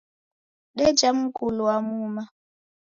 Deja mngulu wa muma.